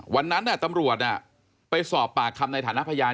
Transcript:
วันนั้นตำรวจไปสอบปากคำในฐานะพยาน